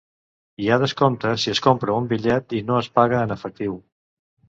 Hi ha descompte si es compra un bitllet i no es paga en efectiu.